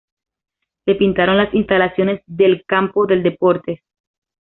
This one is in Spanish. Se pintaron las instalaciones del campo de deportes.